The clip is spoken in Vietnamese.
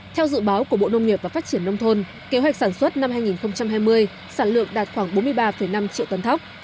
theo dự báo của bộ nông nghiệp và phát triển nông thôn kế hoạch sản xuất năm hai nghìn hai mươi sản lượng đạt khoảng bốn mươi ba năm triệu tấn thóc